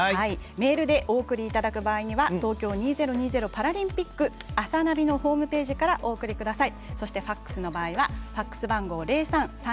メールでお寄せいただける場合には「東京２０２０パラリンピックあさナビ」のホームページからお送りください。